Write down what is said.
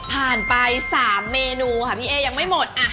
ผ่านไป๓เมนูค่ะพี่เอ๊ยังไม่หมด